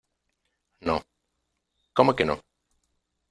no. ¿ como que no?